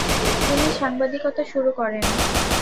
তিনি সাংবাদিকতা শুরু করেন।